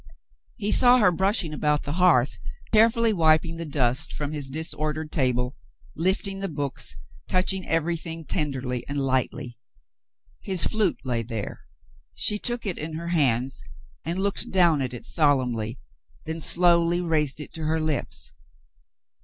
He saw her brushing about the hearth, carefully wiping the dust from his disordered table, lifting the books, touch ing everything tenderly and lightly. His flute lay there. She took it in her hands and looked down at it solemnly, then slowly raised it to her lips.